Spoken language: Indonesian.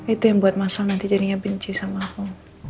itu yang buat masa nanti jadinya benci sama aku